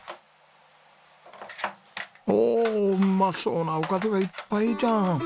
おおうまそうなおかずがいっぱいじゃん！